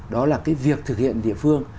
đó là cái việc thực hiện địa phương